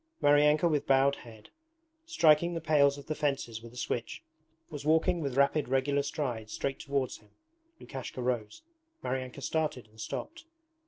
Maryanka with bowed head, striking the pales of the fences with a switch, was walking with rapid regular strides straight towards him. Lukashka rose. Maryanka started and stopped.